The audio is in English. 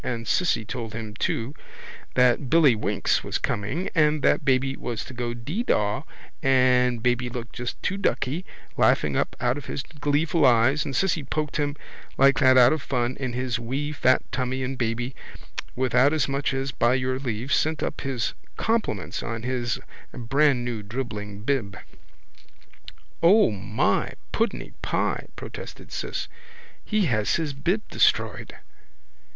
And Cissy told him too that billy winks was coming and that baby was to go deedaw and baby looked just too ducky, laughing up out of his gleeful eyes, and Cissy poked him like that out of fun in his wee fat tummy and baby, without as much as by your leave, sent up his compliments to all and sundry on to his brandnew dribbling bib. —O my! Puddeny pie! protested Ciss. He has his bib destroyed.